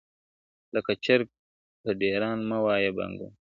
لکه چرګ په ډېران مه وایه بانګونه `